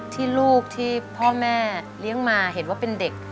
ที่ลูกที่พ่อแม่เลี้ยงมาเห็นว่าเป็นเด็ก